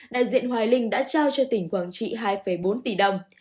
đại diện hoài linh đã trao cho tỉnh quảng trị hai bốn tỷ đồng